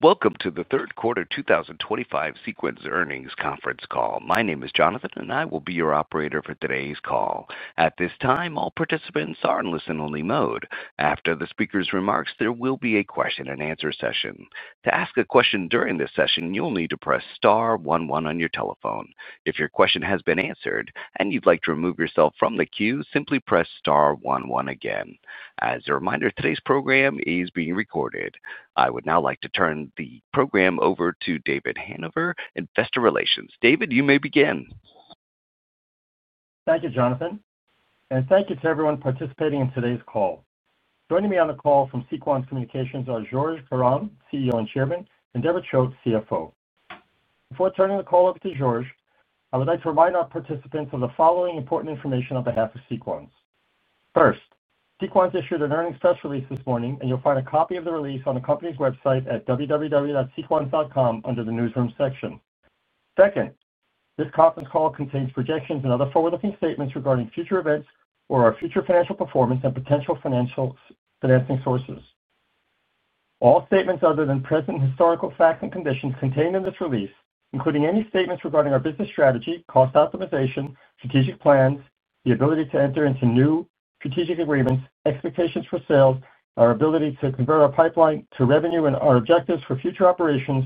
Welcome to the third quarter 2025 Sequans Earnings conference call. My name is Jonathan, and I will be your operator for today's call. At this time, all participants are in listen-only mode. After the speaker's remarks, there will be a question-and-answer session. To ask a question during this session, you'll need to press star one one on your telephone. If your question has been answered and you'd like to remove yourself from the queue, simply press star one one again. As a reminder, today's program is being recorded. I would now like to turn the program over to David Hanover, Investor Relations. David, you may begin. Thank you, Jonathan. Thank you to everyone participating in today's call. Joining me on the call from Sequans Communications are Georges Karam, CEO and Chairman, and Deborah Choate, CFO. Before turning the call over to Georges, I would like to remind our participants of the following important information on behalf of Sequans. First, Sequans issued an earnings press release this morning, and you'll find a copy of the release on the company's website at www.sequans.com under the newsroom section. Second, this conference call contains projections and other forward-looking statements regarding future events or our future financial performance and potential financing sources. All statements other than present historical facts and conditions contained in this release, including any statements regarding our business strategy, cost optimization, strategic plans, the ability to enter into new strategic agreements, expectations for sales, our ability to convert our pipeline to revenue, and our objectives for future operations,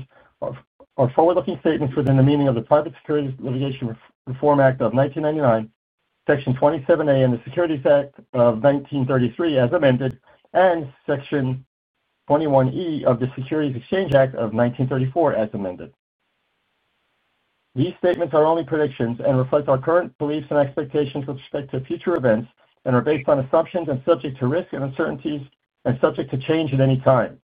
are forward-looking statements within the meaning of the Private Securities Litigation Reform Act of 1999, Section 27A in the Securities Act of 1933, as amended, and Section 21E of the Securities Exchange Act of 1934, as amended. These statements are only predictions and reflect our current beliefs and expectations with respect to future events and are based on assumptions and subject to risk and uncertainties and subject to change at any time.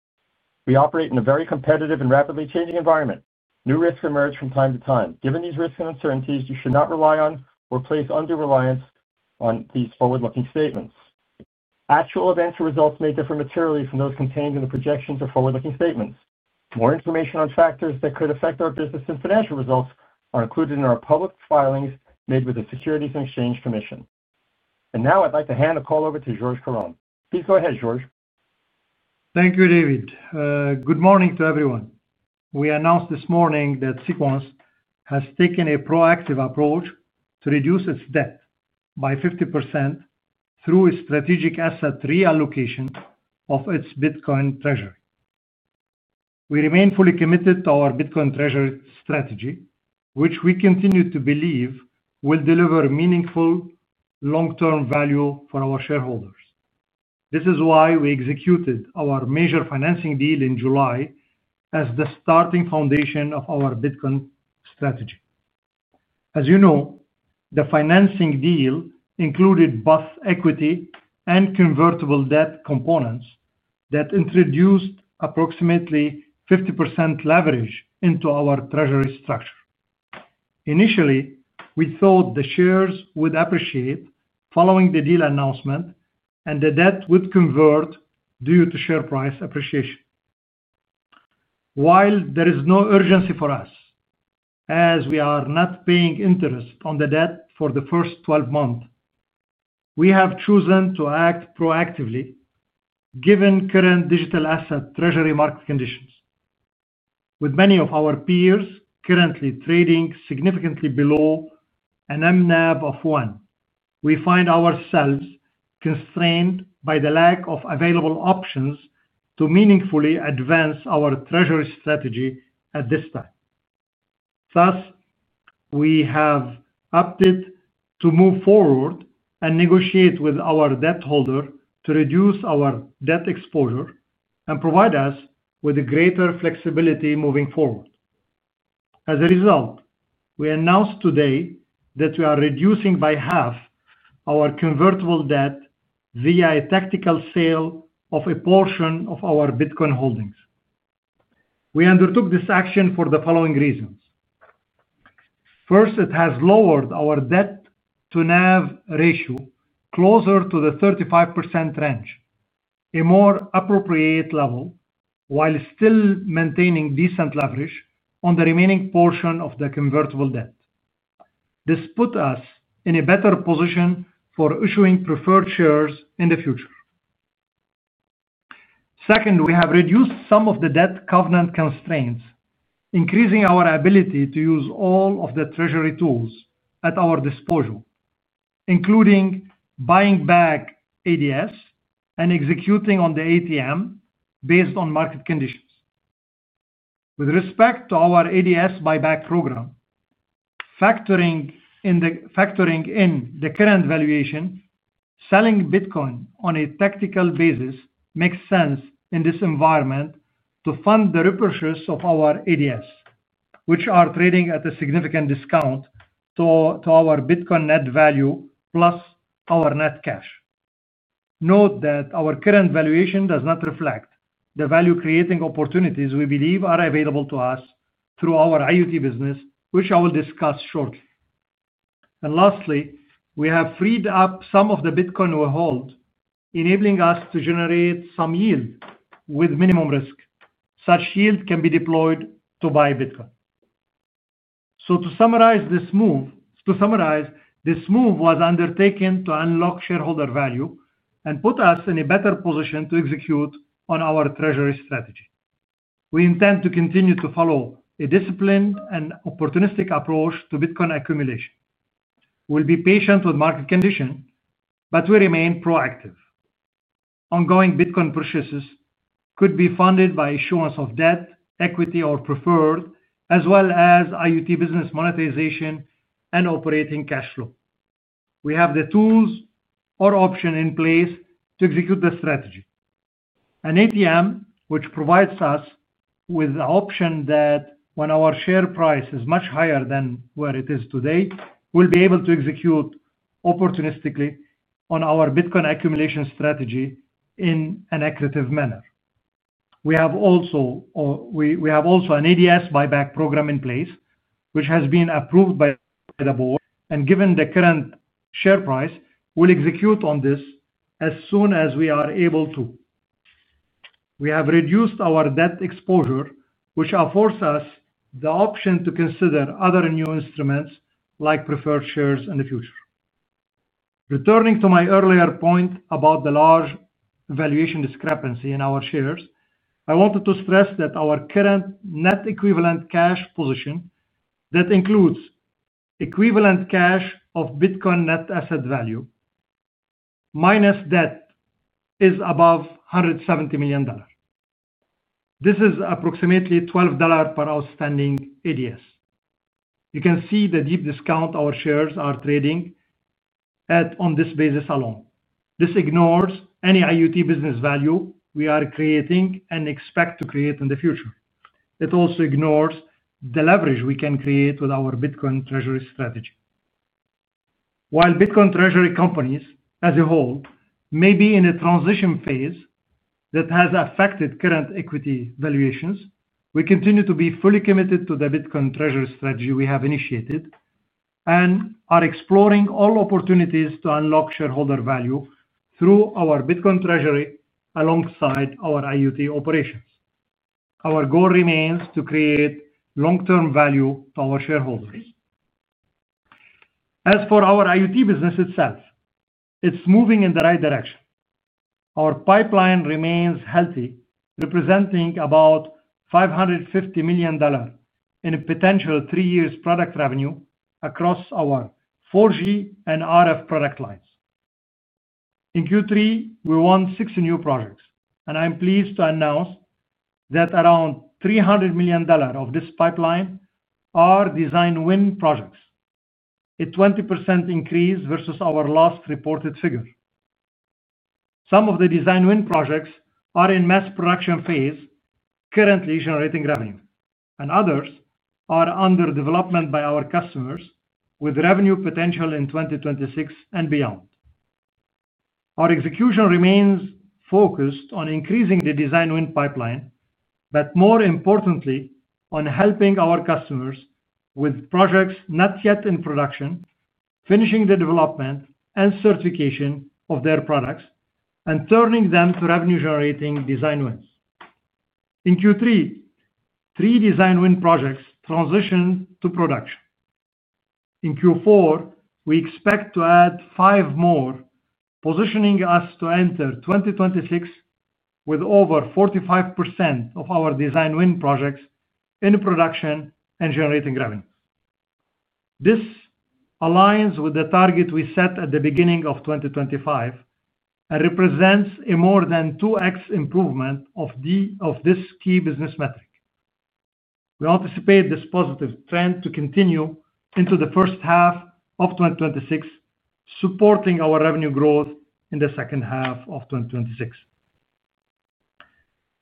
We operate in a very competitive and rapidly changing environment. New risks emerge from time to time. Given these risks and uncertainties, you should not rely on or place undue reliance on these forward-looking statements. Actual events and results may differ materially from those contained in the projections or forward-looking statements. More information on factors that could affect our business and financial results are included in our public filings made with the Securities and Exchange Commission. I would like to hand the call over to Georges Karam. Please go ahead, Georges. Thank you, David. Good morning to everyone. We announced this morning that Sequans has taken a proactive approach to reduce its debt by 50%. Through its strategic asset reallocation of its Bitcoin treasury. We remain fully committed to our Bitcoin treasury strategy, which we continue to believe will deliver meaningful long-term value for our shareholders. This is why we executed our major financing deal in July as the starting foundation of our Bitcoin strategy. As you know, the financing deal included both equity and convertible debt components that introduced approximately 50% leverage into our treasury structure. Initially, we thought the shares would appreciate following the deal announcement, and the debt would convert due to share price appreciation. While there is no urgency for us. As we are not paying interest on the debt for the first 12 months, we have chosen to act proactively given current digital asset treasury market conditions. With many of our peers currently trading significantly below an MNAV of one, we find ourselves constrained by the lack of available options to meaningfully advance our treasury strategy at this time. Thus, we have opted to move forward and negotiate with our debt holder to reduce our debt exposure and provide us with greater flexibility moving forward. As a result, we announced today that we are reducing by half our convertible debt via a tactical sale of a portion of our Bitcoin holdings. We undertook this action for the following reasons. First, it has lowered our debt-to-NAV ratio closer to the 35% range, a more appropriate level while still maintaining decent leverage on the remaining portion of the convertible debt. This put us in a better position for issuing preferred shares in the future. Second, we have reduced some of the debt covenant constraints, increasing our ability to use all of the treasury tools at our disposal, including buying back ADS and executing on the ATM based on market conditions. With respect to our ADS buyback program. Factoring in the current valuation, selling Bitcoin on a tactical basis makes sense in this environment to fund the repurchase of our ADS, which are trading at a significant discount to our Bitcoin net value plus our net cash. Note that our current valuation does not reflect the value-creating opportunities we believe are available to us through our IoT business, which I will discuss shortly. Lastly, we have freed up some of the Bitcoin we hold, enabling us to generate some yield with minimum risk. Such yield can be deployed to buy Bitcoin. To summarize this move, this move was undertaken to unlock shareholder value and put us in a better position to execute on our treasury strategy. We intend to continue to follow a disciplined and opportunistic approach to Bitcoin accumulation. We'll be patient with market conditions, but we remain proactive. Ongoing Bitcoin purchases could be funded by issuance of debt, equity, or preferred, as well as IoT business monetization and operating cash flow. We have the tools or option in place to execute the strategy. An ATM, which provides us with the option that when our share price is much higher than where it is today, we will be able to execute opportunistically on our Bitcoin accumulation strategy in an accurate manner. We have also an ADS buyback program in place, which has been approved by the board. Given the current share price, we will execute on this as soon as we are able to. We have reduced our debt exposure, which affords us the option to consider other new instruments like preferred shares in the future. Returning to my earlier point about the large valuation discrepancy in our shares, I wanted to stress that our current net equivalent cash position that includes equivalent cash of Bitcoin net asset value minus debt is above $170 million. This is approximately $12 per outstanding ADS. You can see the deep discount our shares are trading on this basis alone. This ignores any IoT business value we are creating and expect to create in the future. It also ignores the leverage we can create with our Bitcoin treasury strategy. While Bitcoin treasury companies as a whole may be in a transition phase that has affected current equity valuations, we continue to be fully committed to the Bitcoin treasury strategy we have initiated and are exploring all opportunities to unlock shareholder value through our Bitcoin treasury alongside our IoT operations. Our goal remains to create long-term value to our shareholders. As for our IoT business itself, it is moving in the right direction. Our pipeline remains healthy, representing about $550 million in potential three-year product revenue across our 4G and RF product lines. In Q3, we won six new projects, and I am pleased to announce that around $300 million of this pipeline are design win projects, a 20% increase versus our last reported figure. Some of the design win projects are in mass production phase, currently generating revenue, and others are under development by our customers with revenue potential in 2026 and beyond. Our execution remains focused on increasing the design win pipeline, but more importantly, on helping our customers with projects not yet in production, finishing the development and certification of their products, and turning them to revenue-generating design wins. In Q3, three design win projects transitioned to production. In Q4, we expect to add five more, positioning us to enter 2026 with over 45% of our design win projects in production and generating revenue. This aligns with the target we set at the beginning of 2025 and represents a more than 2X improvement of this key business metric. We anticipate this positive trend to continue into the first half of 2026, supporting our revenue growth in the second half of 2026.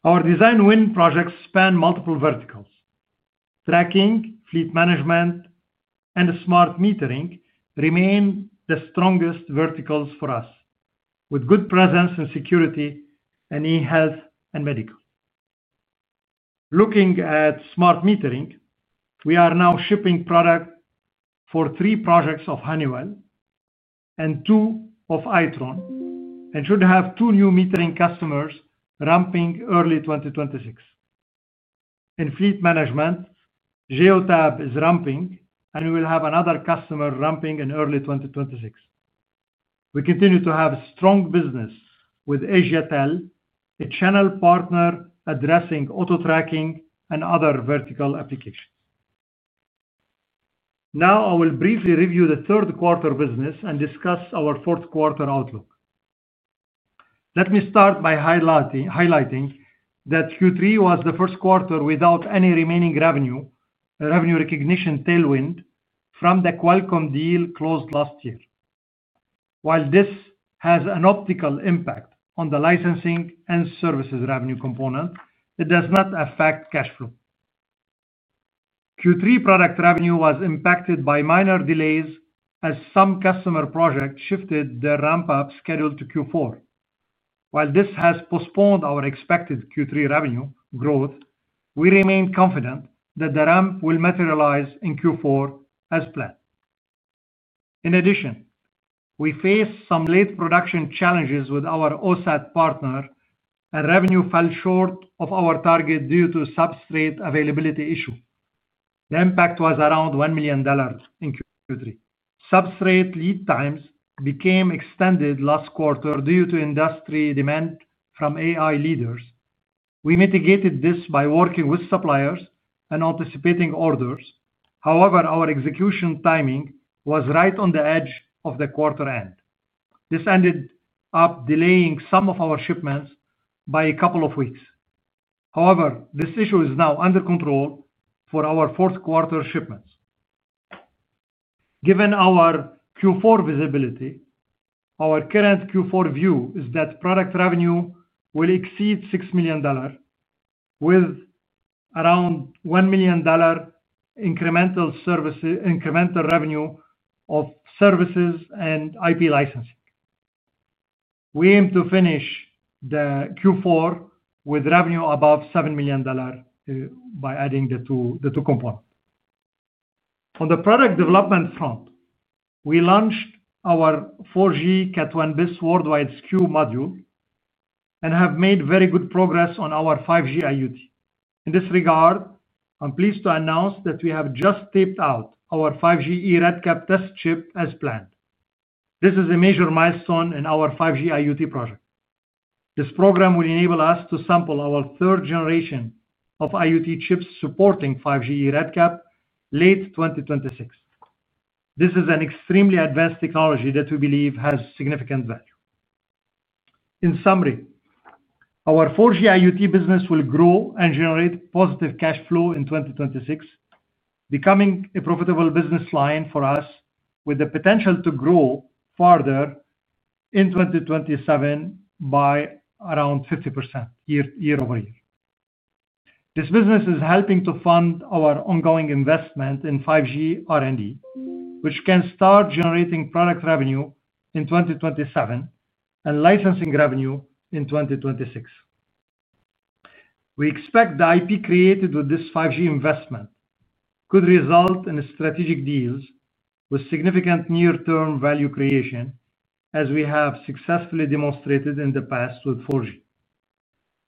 Our design win projects span multiple verticals. Tracking, fleet management, and smart metering remain the strongest verticals for us, with good presence and security in health and medical. Looking at smart metering, we are now shipping product for three projects of Honeywell and two of Itron, and should have two new metering customers ramping early 2026. In fleet management, Geotab is ramping, and we will have another customer ramping in early 2026. We continue to have strong business with Asiatel, a channel partner addressing auto tracking and other vertical applications. Now, I will briefly review the third quarter business and discuss our fourth quarter outlook. Let me start by highlighting that Q3 was the first quarter without any remaining revenue recognition tailwind from the Qualcomm deal closed last year. While this has an optical impact on the licensing and services revenue component, it does not affect cash flow. Q3 product revenue was impacted by minor delays as some customer projects shifted their ramp-up schedule to Q4. While this has postponed our expected Q3 revenue growth, we remain confident that the ramp will materialize in Q4 as planned. In addition, we faced some late production challenges with our OSAT partner, and revenue fell short of our target due to substrate availability issues. The impact was around $1 million in Q3. Substrate lead times became extended last quarter due to industry demand from AI leaders. We mitigated this by working with suppliers and anticipating orders. However, our execution timing was right on the edge of the quarter end. This ended up delaying some of our shipments by a couple of weeks. However, this issue is now under control for our fourth quarter shipments. Given our Q4 visibility, our current Q4 view is that product revenue will exceed $6 million, with around $1 million incremental revenue of services and IP licensing. We aim to finish Q4 with revenue above $7 million by adding the two components. On the product development front, we launched our 4G Cat-1 bis Worldwide SKU module and have made very good progress on our 5G IoT. In this regard, I'm pleased to announce that we have just taped out our 5G eRedCap test chip as planned. This is a major milestone in our 5G IoT project. This program will enable us to sample our third generation of IoT chips supporting 5G eRedCap late 2026. This is an extremely advanced technology that we believe has significant value. In summary, our 4G IoT business will grow and generate positive cash flow in 2026, becoming a profitable business line for us with the potential to grow farther into 2027 by around 50% year-over-year. This business is helping to fund our ongoing investment in 5G R&D, which can start generating product revenue in 2027 and licensing revenue in 2026. We expect the IP created with this 5G investment could result in strategic deals with significant near-term value creation, as we have successfully demonstrated in the past with 4G.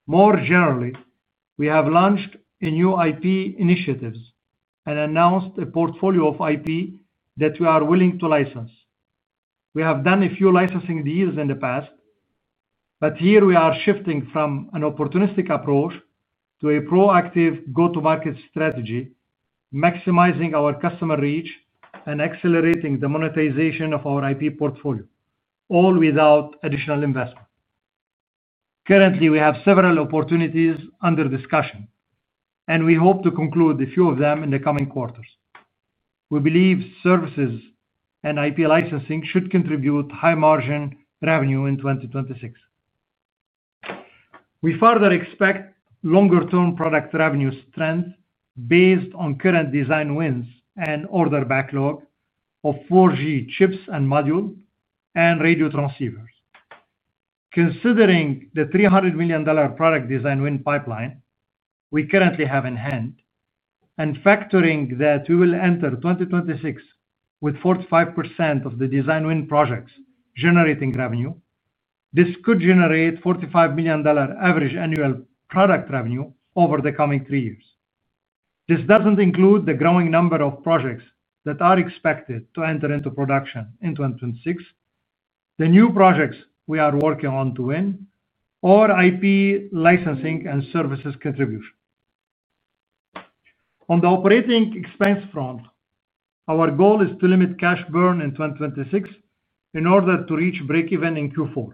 More generally, we have launched a new IP initiative and announced a portfolio of IP that we are willing to license. We have done a few licensing deals in the past. Here we are shifting from an opportunistic approach to a proactive go-to-market strategy, maximizing our customer reach and accelerating the monetization of our IP portfolio, all without additional investment. Currently, we have several opportunities under discussion, and we hope to conclude a few of them in the coming quarters. We believe services and IP licensing should contribute high-margin revenue in 2026. We further expect longer-term product revenue strength based on current design wins and order backlog of 4G chips and modules and radio transceivers. Considering the $300 million product design win pipeline we currently have in hand, and factoring that we will enter 2026 with 45% of the design win projects generating revenue, this could generate $45 million average annual product revenue over the coming three years. This does not include the growing number of projects that are expected to enter into production in 2026, the new projects we are working on to win, or IP licensing and services contribution. On the operating expense front, our goal is to limit cash burn in 2026 in order to reach break-even in Q4.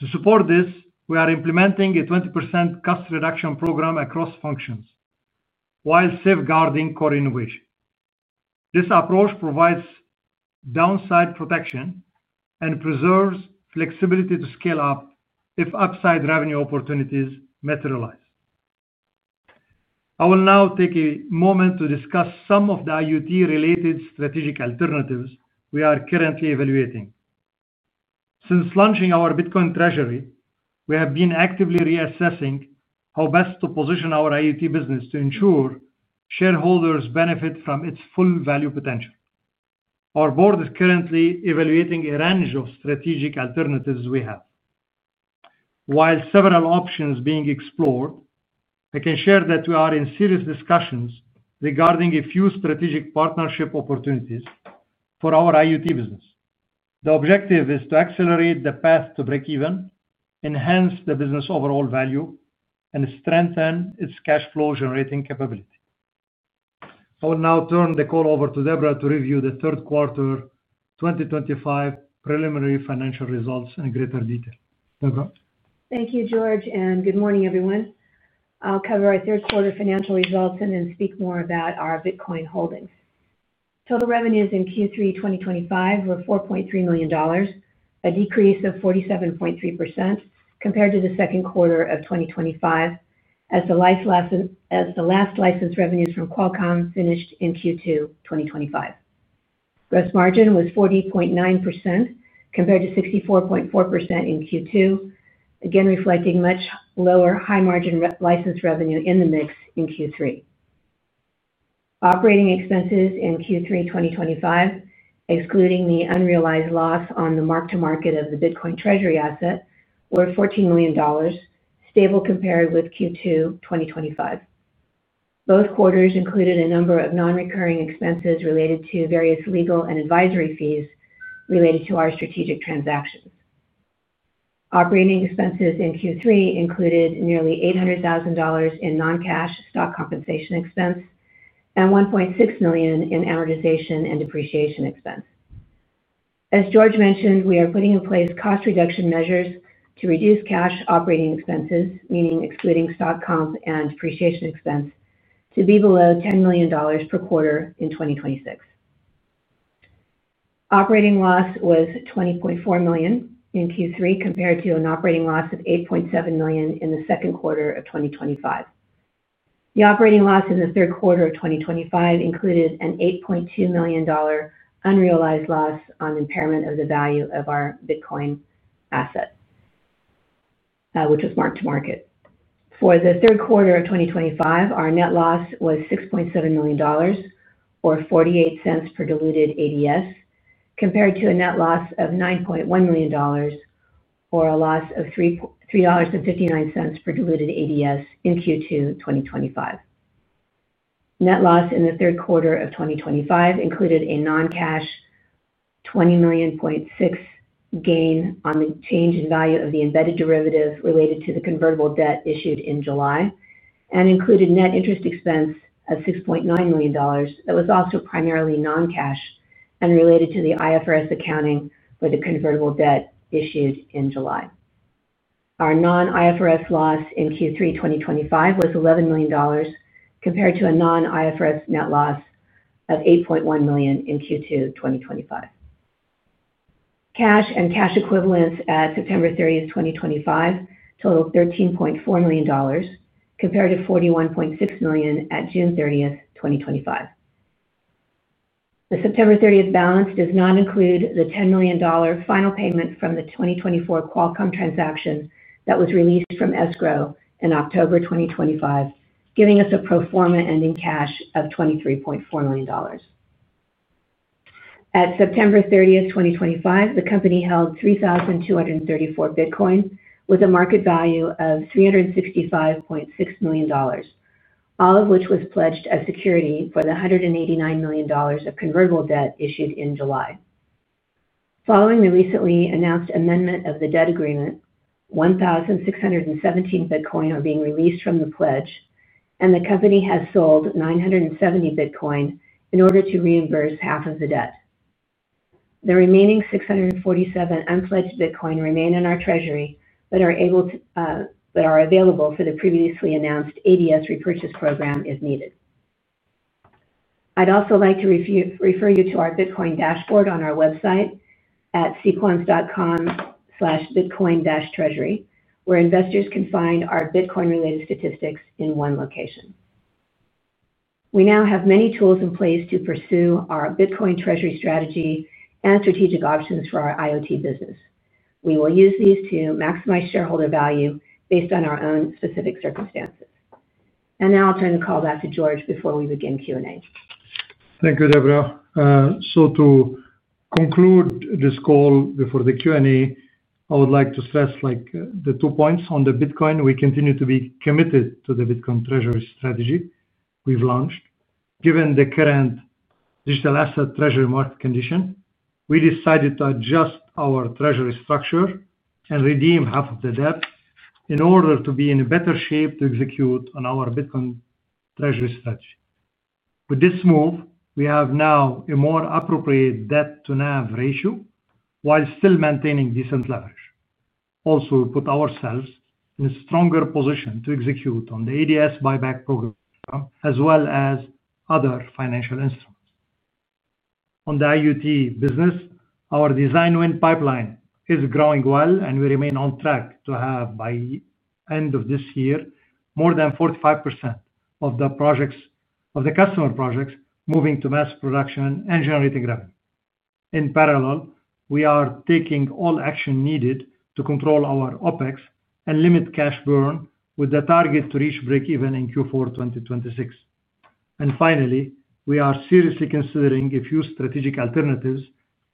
To support this, we are implementing a 20% cost reduction program across functions, while safeguarding core innovation. This approach provides downside protection and preserves flexibility to scale up if upside revenue opportunities materialize. I will now take a moment to discuss some of the IoT-related strategic alternatives we are currently evaluating. Since launching our Bitcoin treasury, we have been actively reassessing how best to position our IoT business to ensure shareholders benefit from its full value potential. Our board is currently evaluating a range of strategic alternatives we have. While several options are being explored, I can share that we are in serious discussions regarding a few strategic partnership opportunities for our IoT business. The objective is to accelerate the path to break-even, enhance the business overall value, and strengthen its cash flow generating capability. I will now turn the call over to Deborah to review the third quarter 2025 preliminary financial results in greater detail. Thank you, Georges, and good morning, everyone. I'll cover our third quarter financial results and then speak more about our Bitcoin holdings. Total revenues in Q3 2025 were $4.3 million, a decrease of 47.3% compared to the second quarter of 2025, as the last licensed revenues from Qualcomm finished in Q2 2025. Gross margin was 40.9% compared to 64.4% in Q2, again reflecting much lower high-margin license revenue in the mix in Q3. Operating expenses in Q3 2025, excluding the unrealized loss on the mark-to-market of the Bitcoin treasury asset, were $14 million, stable compared with Q2 2025. Both quarters included a number of non-recurring expenses related to various legal and advisory fees related to our strategic transactions. Operating expenses in Q3 included nearly $800,000 in non-cash stock compensation expense and $1.6 million in amortization and depreciation expense. As Georges mentioned, we are putting in place cost reduction measures to reduce cash operating expenses, meaning excluding stock comp and depreciation expense, to be below $10 million per quarter in 2026. Operating loss was $20.4 million in Q3 compared to an operating loss of $8.7 million in the second quarter of 2025. The operating loss in the third quarter of 2025 included an $8.2 million unrealized loss on impairment of the value of our Bitcoin asset, which was marked to market. For the third quarter of 2025, our net loss was $6.7 million, or $0.48 per diluted ADS, compared to a net loss of $9.1 million, or a loss of $3.59 per diluted ADS in Q2 2025. Net loss in the third quarter of 2025 included a non-cash $20.6 million gain on the change in value of the embedded derivatives related to the convertible debt issued in July, and included net interest expense of $6.9 million that was also primarily non-cash and related to the IFRS accounting for the convertible debt issued in July. Our non-IFRS loss in Q3 2025 was $11 million, compared to a non-IFRS net loss of $8.1 million in Q2 2025. Cash and cash equivalents at September 30, 2025, totaled $13.4 million, compared to $41.6 million at June 30th, 2025. The September 30 balance does not include the $10 million final payment from the 2024 Qualcomm transaction that was released from escrow in October 2025, giving us a pro forma ending cash of $23.4 million. At September 30th, 2025, the company held 3,234 Bitcoin with a market value of $365.6 million, all of which was pledged as security for the $189 million of convertible debt issued in July. Following the recently announced amendment of the debt agreement, 1,617 Bitcoin are being released from the pledge, and the company has sold 970 Bitcoin in order to reimburse half of the debt. The remaining 647 unpledged Bitcoin remain in our treasury but are available for the previously announced ADS repurchase program if needed. I'd also like to refer you to our Bitcoin dashboard on our website at sequans.com/Bitcoin-Treasury, where investors can find our Bitcoin-related statistics in one location. We now have many tools in place to pursue our Bitcoin treasury strategy and strategic options for our IoT business. We will use these to maximize shareholder value based on our own specific circumstances. I will turn the call back to Georges before we begin Q&A. Thank you, Deborah. To conclude this call before the Q&A, I would like to stress the two points on the Bitcoin. We continue to be committed to the Bitcoin treasury strategy we've launched. Given the current digital asset treasury market condition, we decided to adjust our treasury structure and redeem half of the debt in order to be in a better shape to execute on our Bitcoin treasury strategy. With this move, we have now a more appropriate debt-to-NAV ratio while still maintaining decent leverage. Also, we put ourselves in a stronger position to execute on the ADS buyback program, as well as other financial instruments. On the IoT business, our design win pipeline is growing well, and we remain on track to have, by the end of this year, more than 45% of the customer projects moving to mass production and generating revenue. In parallel, we are taking all action needed to control our OpEx and limit cash burn with the target to reach break-even in Q4 2026. Finally, we are seriously considering a few strategic alternatives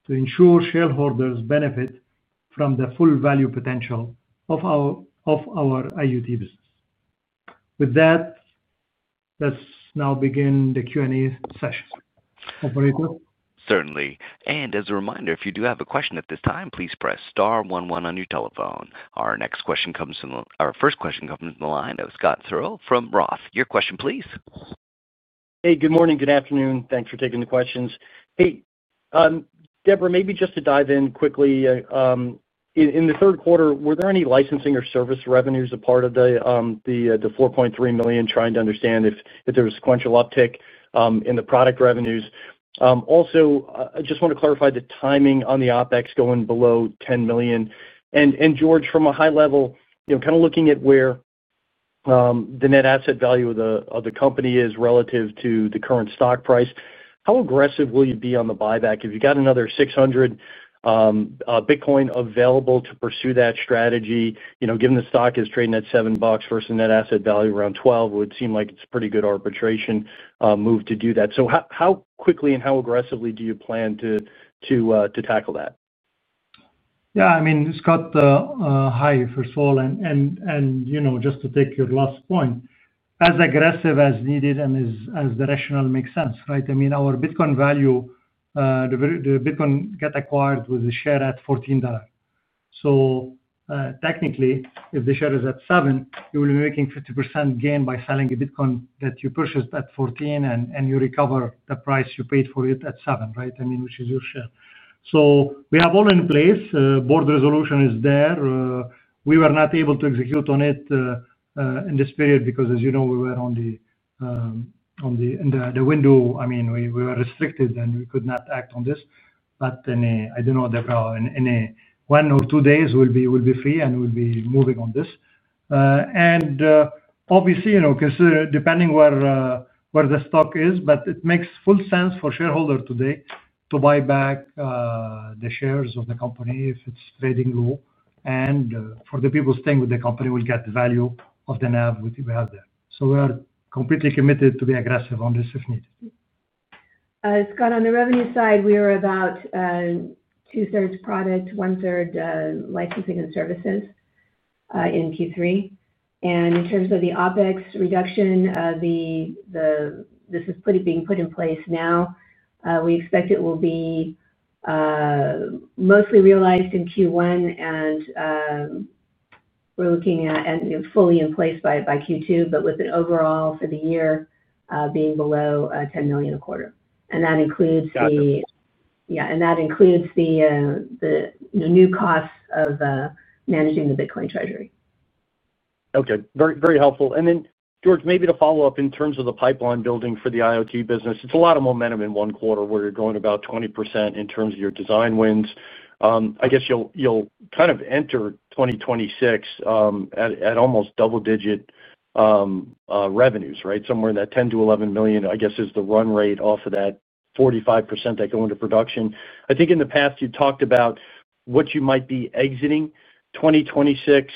to ensure shareholders benefit from the full value potential of our IoT business. With that, let's now begin the Q&A session. Operator. Certainly. As a reminder, if you do have a question at this time, please press star one one on your telephone. Our next question comes from our first question comes from the line of Scott Searle from ROTH. Your question, please. Hey, good morning. Good afternoon. Thanks for taking the questions. Hey. Deborah, maybe just to dive in quickly. In the third quarter, were there any licensing or service revenues a part of the $4.3 million? Trying to understand if there was a sequential uptick in the product revenues. Also, I just want to clarify the timing on the OpEx going below $10 million. Georges, from a high level, kind of looking at where the net asset value of the company is relative to the current stock price, how aggressive will you be on the buyback? If you've got another 600 Bitcoin available to pursue that strategy, given the stock is trading at $7 versus net asset value around $12, it would seem like it's a pretty good arbitration move to do that. How quickly and how aggressively do you plan to tackle that? Yeah. I mean, Scott, hi, first of all. Just to take your last point, as aggressive as needed and as the rationale makes sense, right? I mean, our Bitcoin value, the Bitcoin got acquired with a share at $14. Technically, if the share is at $7, you will be making a 50% gain by selling a Bitcoin that you purchased at $14, and you recover the price you paid for it at $7, right? I mean, which is your share. We have all in place. Board resolution is there. We were not able to execute on it in this period because, as you know, we were on the window. I mean, we were restricted, and we could not act on this. Anyway, I do not know, Deborah, in one or two days, we'll be free and we'll be moving on this. Obviously, consider depending where the stock is, but it makes full sense for shareholders today to buy back the shares of the company if it's trading low. For the people staying with the company, we'll get the value of the NAV we have there. We are completely committed to be aggressive on this if needed. Scott, on the revenue side, we are about two-thirds product, one-third licensing and services in Q3. In terms of the OpEx reduction, this is being put in place now. We expect it will be mostly realized in Q1, and we're looking at fully in place by Q2, but with an overall for the year being below $10 million a quarter. That includes the new costs of managing the Bitcoin treasury. Okay. Very helpful. Then, George, maybe to follow up in terms of the pipeline building for the IoT business, it's a lot of momentum in one quarter where you're going about 20% in terms of your design wins. I guess you'll kind of enter 2026 at almost double-digit revenues, right? Somewhere in that $10 million-$11 million, I guess, is the run rate off of that 45% that go into production. I think in the past, you talked about what you might be exiting 2026.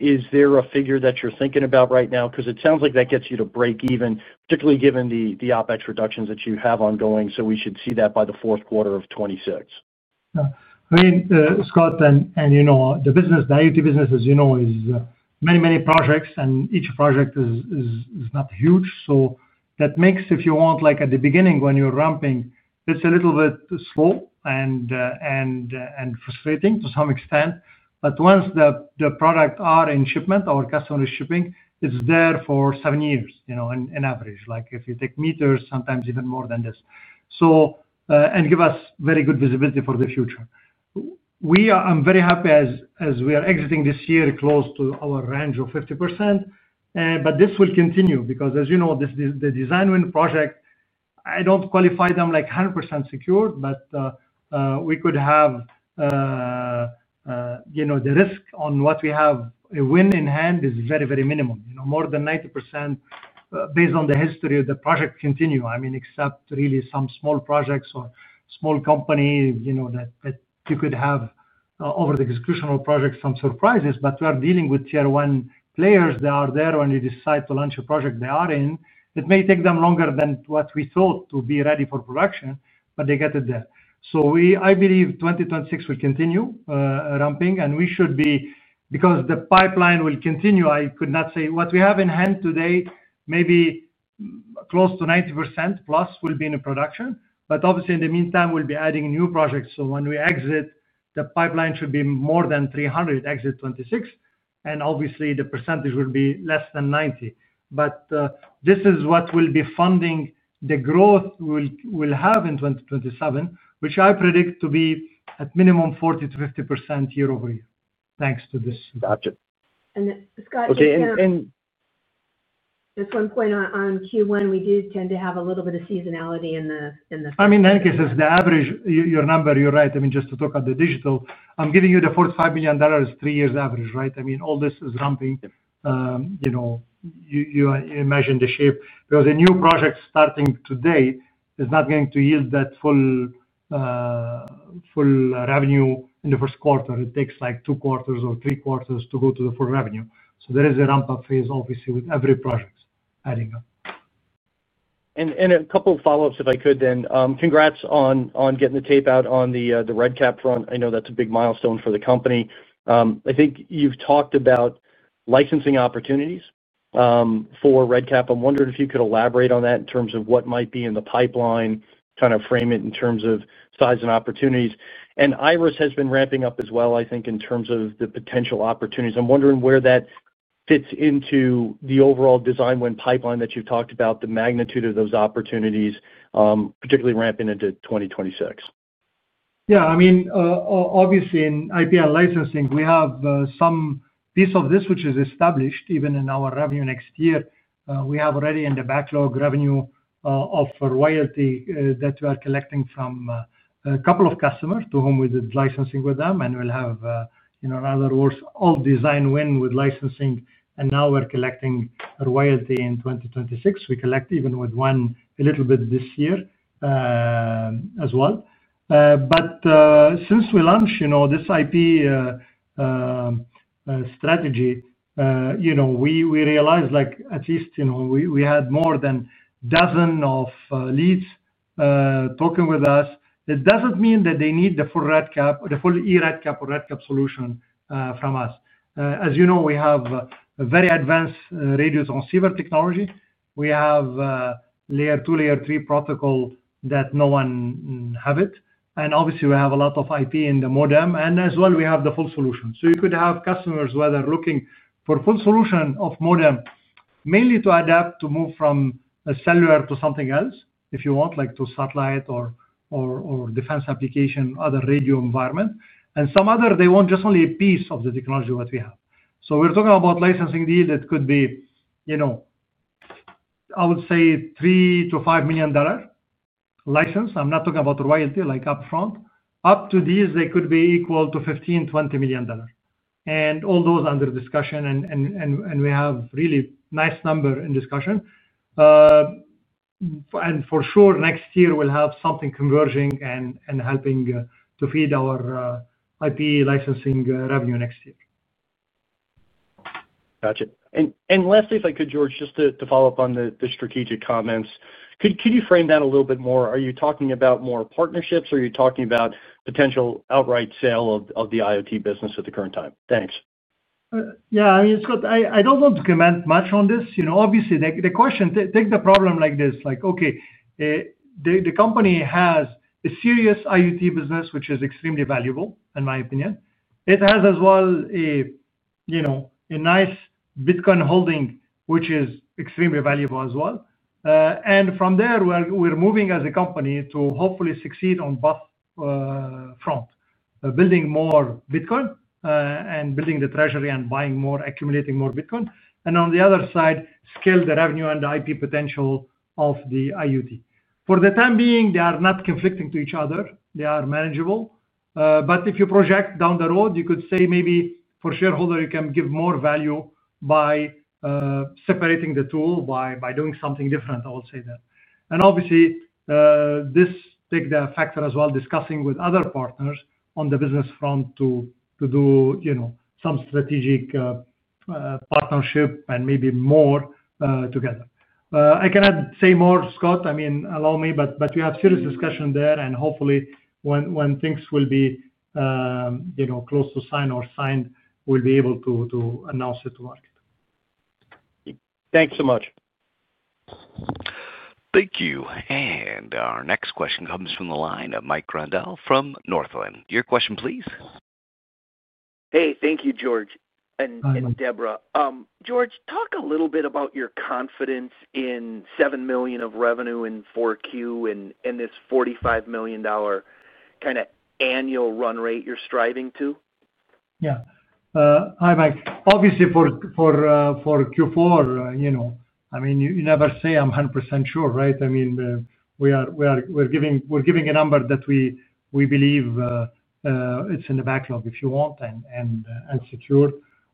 Is there a figure that you're thinking about right now? Because it sounds like that gets you to break even, particularly given the OpEx reductions that you have ongoing, so we should see that by the fourth quarter of 2026. I mean, Scott, the business, the IoT business, as you know, is many, many projects, and each project is not huge. That makes, if you want, like at the beginning when you're ramping, it's a little bit slow and frustrating to some extent. Once the products are in shipment, our customers shipping, it's there for seven years on average. If you take meters, sometimes even more than this, and give us very good visibility for the future. I'm very happy as we are exiting this year close to our range of 50%. This will continue because, as you know, the design win project, I don't qualify them like 100% secured, but we could have the risk on what we have a win in hand is very, very minimal, more than 90%. Based on the history of the project continue, I mean, except really some small projects or small companies that you could have over executional projects, some surprises. We are dealing with Tier 1 players. They are there when you decide to launch a project, they are in. It may take them longer than what we thought to be ready for production, but they get it there. I believe 2026 will continue ramping, and we should be because the pipeline will continue. I could not say what we have in hand today, maybe close to 90%+ will be in production. Obviously, in the meantime, we'll be adding new projects. When we exit, the pipeline should be more than 300 exit 2026, and obviously, the percentage will be less than 90%. But this is what will be funding the growth we'll have in 2027, which I predict to be at minimum 40%-50% year-over-year, thanks to this. Gotcha. And Scott, you said. Okay. That's one point on Q1. We did tend to have a little bit of seasonality in the. I mean, in any case, it's the average your number, you're right. I mean, just to talk about the digital, I'm giving you the $45 million three years average, right? I mean, all this is ramping. You imagine the shape because a new project starting today is not going to yield that full revenue in the first quarter. It takes like two quarters or three quarters to go to the full revenue. There is a ramp-up phase, obviously, with every project. Adding up. And a couple of follow-ups, if I could then. Congrats on getting the tape out on the RedCap front. I know that's a big milestone for the company. I think you've talked about licensing opportunities for RedCap. I'm wondering if you could elaborate on that in terms of what might be in the pipeline, kind of frame it in terms of size and opportunities. And Iris has been ramping up as well, I think, in terms of the potential opportunities. I'm wondering where that fits into the overall design win pipeline that you've talked about, the magnitude of those opportunities, particularly ramping into 2026. Yeah. I mean, obviously, in IP licensing, we have some piece of this which is established even in our revenue next year. We have already in the backlog revenue of royalty that we are collecting from a couple of customers to whom we did licensing with them. And we'll have, in other words, all design win with licensing. And now we're collecting royalty in 2026. We collect even with one a little bit this year as well. Since we launched this IP strategy, we realized at least we had more than a dozen of leads talking with us. It doesn't mean that they need the full eRedCap or RedCap solution from us. As you know, we have a very advanced radio transceiver technology. We have layer two, layer three protocol that no one has it. And obviously, we have a lot of IP in the modem. As well, we have the full solution. You could have customers where they're looking for a full solution of modem, mainly to adapt to move from a cellular to something else, if you want, like to satellite or defense application, other radio environment. Some other, they want just only a piece of the technology that we have. We're talking about a licensing deal that could be, I would say, $3 million-$5 million license. I'm not talking about royalty, like upfront. Up to these, they could be equal to $15 million-$20 million. All those under discussion. We have really nice numbers in discussion. For sure, next year, we'll have something converging and helping to feed our IP licensing revenue next year. Gotcha. Lastly, if I could, Georges, just to follow up on the strategic comments, could you frame that a little bit more? Are you talking about more partnerships? Are you talking about potential outright sale of the IoT business at the current time? Thanks. Yeah. I mean, Scott, I don't want to comment much on this. Obviously, the question takes the problem like this. The company has a serious IoT business, which is extremely valuable, in my opinion. It has as well a nice Bitcoin holding, which is extremely valuable as well. From there, we're moving as a company to hopefully succeed on both fronts, building more Bitcoin and building the treasury and buying more, accumulating more Bitcoin. On the other side, scale the revenue and the IP potential of the IoT. For the time being, they are not conflicting to each other. They are manageable. If you project down the road, you could say maybe for shareholders, you can give more value by separating the two, by doing something different, I would say that. Obviously, this takes the factor as well discussing with other partners on the business front to do some strategic partnership and maybe more together. I cannot say more, Scott. Allow me, but we have serious discussion there. Hopefully, when things will be close to sign or signed, we'll be able to announce it to market. Thanks so much. Thank you. Our next question comes from the line of Mike Grondahl from Northland. Your question, please. Hey, thank you, Georges and Deborah. Georges, talk a little bit about your confidence in $7 million of revenue in Q4 and this $45 million kind of annual run rate you're striving to. Yeah. Hi, Mike. Obviously, for Q4, you never say I'm 100% sure, right? We're giving a number that we believe is in the backlog, if you want, and secure.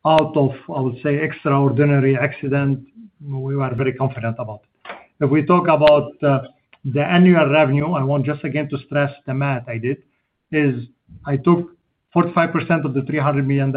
Out of, I would say, extraordinary accident, we are very confident about it. If we talk about the annual revenue, I want just again to stress the math I did, is I took 45% of the $300 million,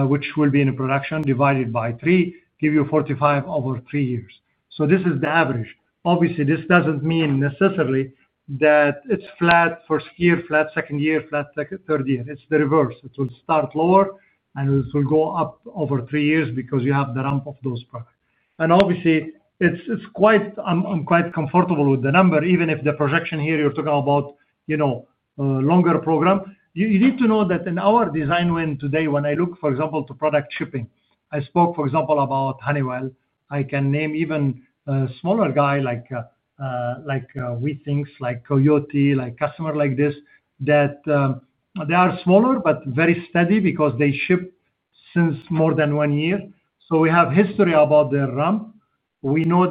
which will be in production, divided by three, give you 45% over three years. This is the average. Obviously, this doesn't mean necessarily that it's flat first year, flat second year, flat third year. It's the reverse. It will start lower, and it will go up over three years because you have the ramp of those products. Obviously, I'm quite comfortable with the number. Even if the projection here, you're talking about a longer program, you need to know that in our design win today, when I look, for example, to product shipping, I spoke, for example, about Honeywell. I can name even a smaller guy like. We think, like Coyote, like customers like this, that. They are smaller but very steady because they ship since more than one year. So we have history about their ramp. We know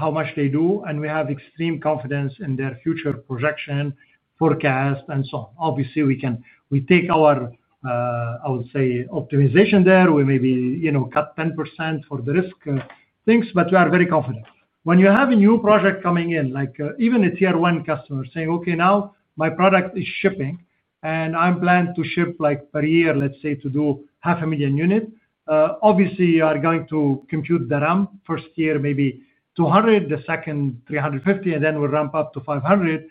how much they do, and we have extreme confidence in their future projection, forecast, and so on. Obviously, we take our. I would say, optimization there. We maybe cut 10% for the risk things, but we are very confident. When you have a new project coming in, like even a tier-one customer saying, "Okay, now my product is shipping, and I plan to ship per year, let's say, to do 500,000 units," obviously, you are going to compute the ramp. First year, maybe 200,000, the second, 350,000, and then we ramp up to 500,000.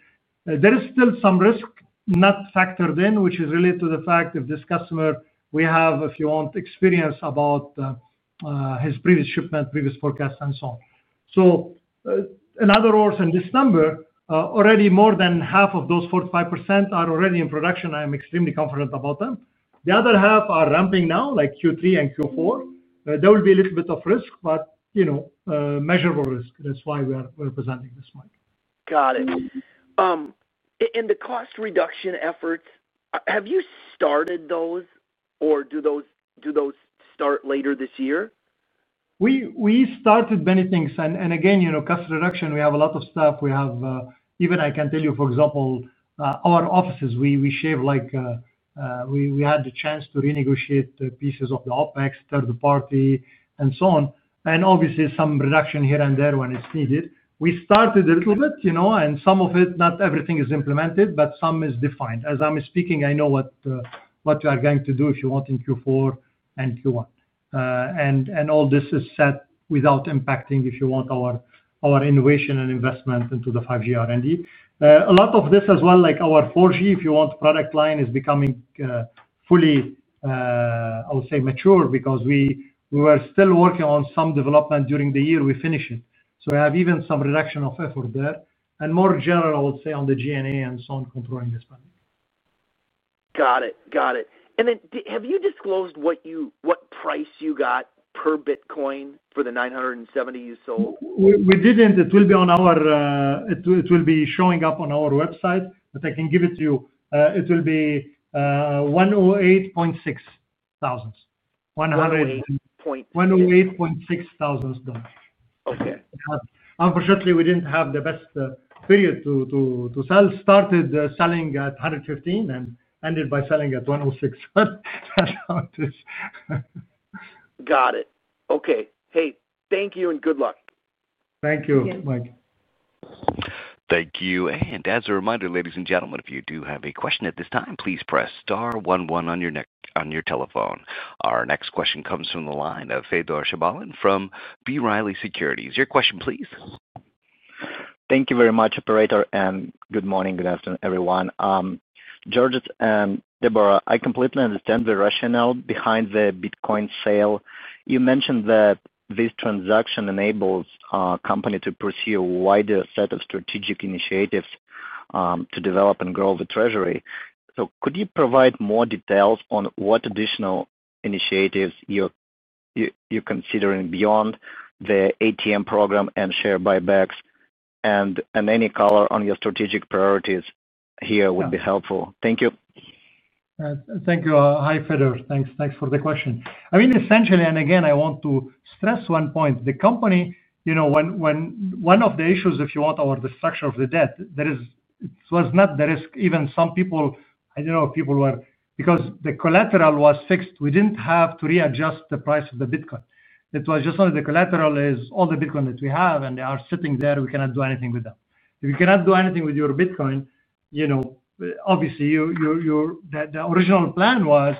There is still some risk not factored in, which is related to the fact if this customer, we have, if you want, experience about. His previous shipment, previous forecast, and so on. So. In other words, in this number, already more than half of those 45% are already in production. I am extremely confident about them. The other half are ramping now, like Q3 and Q4. There will be a little bit of risk, but. Measurable risk. That's why we are presenting this mic. Got it. In the cost reduction efforts, have you started those, or do those start later this year? We started many things. And again, cost reduction, we have a lot of stuff. Even I can tell you, for example, our offices, we shave. We had the chance to renegotiate pieces of the OpEx, third party, and so on. And obviously, some reduction here and there when it's needed. We started a little bit, and some of it, not everything is implemented, but some is defined. As I'm speaking, I know what we are going to do, if you want, in Q4 and Q1. And all this is set without impacting, if you want, our innovation and investment into the 5G R&D. A lot of this as well, like our 4G, if you want, product line is becoming fully. I would say, mature because we were still working on some development during the year. We finished it. So we have even some reduction of effort there. And more general, I would say, on the GNA and so on, controlling this money. Got it. Got it. And then have you disclosed what price you got per Bitcoin for the 970 you sold? We didn't. It will be on our. It will be showing up on our website, but I can give it to you. It will be. $108,600. $108,600. Unfortunately, we didn't have the best period to sell. Started selling at $115,000 and ended by selling at $106,000. Got it. Okay. Hey, thank you and good luck. Thank you, Mike. Thank you. And as a reminder, ladies and gentlemen, if you do have a question at this time, please press star one one on your telephone. Our next question comes from the line of Fedor Shabalin from B. Riley Securities. Your question, please. Thank you very much, operator, and good morning, good afternoon, everyone. Georges and Deborah, I completely understand the rationale behind the Bitcoin sale. You mentioned that this transaction enables our company to pursue a wider set of strategic initiatives to develop and grow the treasury. Could you provide more details on what additional initiatives you're considering beyond the ATM program and share buybacks? Any color on your strategic priorities here would be helpful. Thank you. Thank you. Hi, Fedor. Thanks for the question. I mean, essentially, and again, I want to stress one point. The company, one of the issues, if you want, our destruction of the debt, it was not the risk. Even some people, I don't know if people were because the collateral was fixed. We didn't have to readjust the price of the Bitcoin. It was just only the collateral is all the Bitcoin that we have, and they are sitting there. We cannot do anything with them. If you cannot do anything with your Bitcoin, obviously, the original plan was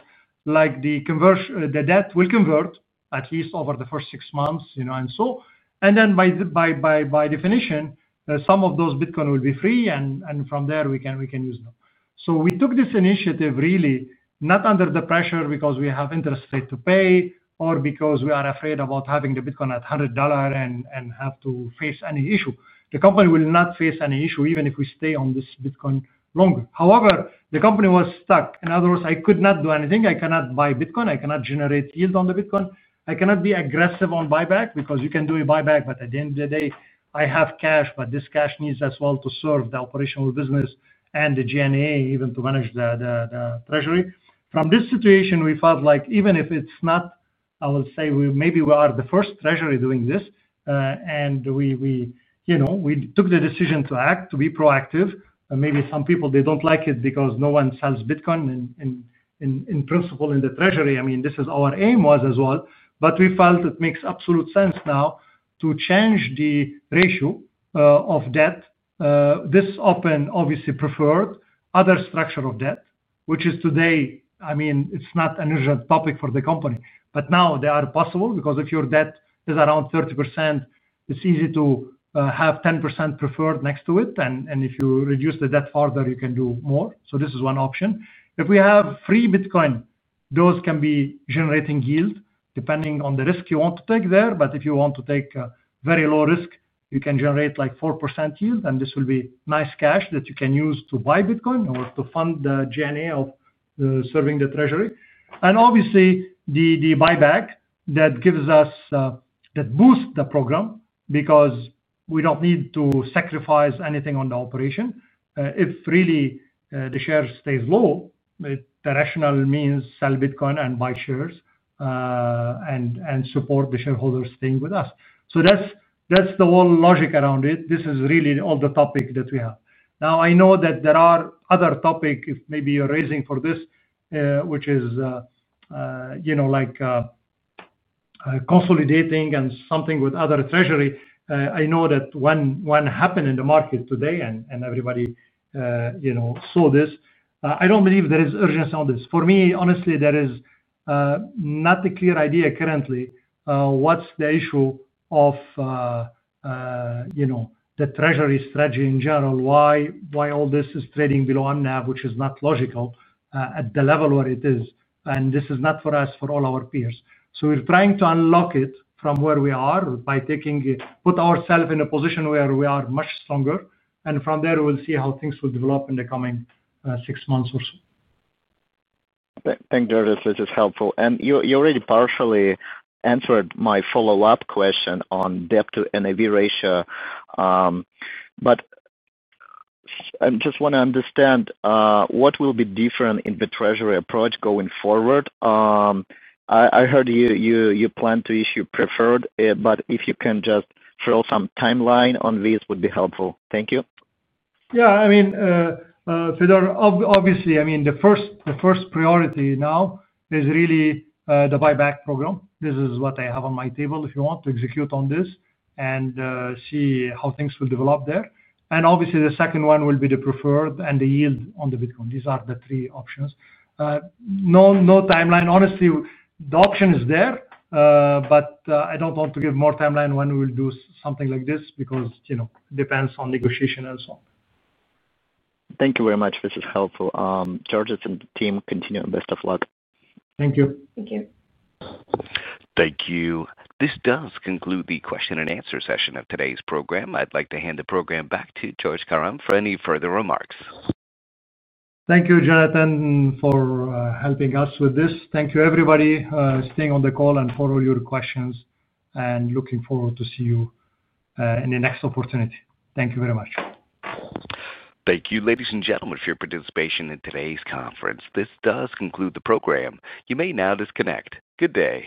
the debt will convert, at least over the first six months and so. Then by definition, some of those Bitcoin will be free, and from there, we can use them. We took this initiative really not under the pressure because we have interest rate to pay or because we are afraid about having the Bitcoin at $100 and have to face any issue. The company will not face any issue even if we stay on this Bitcoin longer. However, the company was stuck. In other words, I could not do anything. I cannot buy Bitcoin. I cannot generate yield on the Bitcoin. I cannot be aggressive on buyback because you can do a buyback, but at the end of the day, I have cash, but this cash needs as well to serve the operational business and the GNA, even to manage the treasury. From this situation, we felt like even if it's not, I would say, maybe we are the first treasury doing this, and we took the decision to act, to be proactive. Maybe some people, they don't like it because no one sells Bitcoin in principle in the treasury. I mean, this is our aim as well. We felt it makes absolute sense now to change the ratio of debt. This open, obviously, preferred other structure of debt, which is today, I mean, it's not an urgent topic for the company. Now they are possible because if your debt is around 30%, it's easy to have 10% preferred next to it. If you reduce the debt further, you can do more. This is one option. If we have free Bitcoin, those can be generating yield depending on the risk you want to take there. If you want to take very low risk, you can generate like 4% yield, and this will be nice cash that you can use to buy Bitcoin or to fund the GNA of serving the treasury. Obviously, the buyback that gives us, that boosts the program because we do not need to sacrifice anything on the operation. If really the share stays low, the rationale means sell Bitcoin and buy shares and support the shareholders staying with us. That is the whole logic around it. This is really all the topic that we have. I know that there are other topics, if maybe you are raising for this, which is like consolidating and something with other treasury. I know that one happened in the market today, and everybody saw this. I do not believe there is urgency on this. For me, honestly, there is not a clear idea currently what is the issue of the treasury strategy in general, why all this is trading below unnav, which is not logical at the level where it is. This is not for us, for all our peers. We are trying to unlock it from where we are by putting ourselves in a position where we are much stronger. From there, we will see how things will develop in the coming six months or so. Thank you, Georges. This is helpful. You already partially answered my follow-up question on debt-to-NAV ratio. I just want to understand what will be different in the treasury approach going forward. I heard you plan to issue preferred, but if you can just throw some timeline on this, it would be helpful. Thank you. Yeah. I mean, Fedor, obviously, the first priority now is really the buyback program. This is what I have on my table, if you want, to execute on this and see how things will develop there. Obviously, the second one will be the preferred and the yield on the Bitcoin. These are the three options. No timeline. Honestly, the option is there, but I do not want to give more timeline when we will do something like this because it depends on negotiation and so on. Thank you very much. This is helpful. Georges and team, continue and best of luck. Thank you. Thank you. Thank you. This does conclude the question-and-answer session of today's program. I would like to hand the program back to Georges Karam for any further remarks. Thank you, Jonathan, for helping us with this. Thank you, everybody, for staying on the call and for all your questions. Looking forward to see you in the next opportunity. Thank you very much. Thank you, ladies and gentlemen, for your participation in today's conference. This does conclude the program. You may now disconnect. Good day.